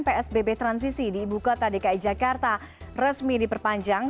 psbb transisi di ibu kota dki jakarta resmi diperpanjang